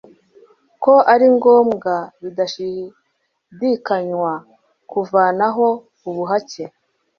ko ari ngombwa bidashidikanywa kuvanaho ubuhake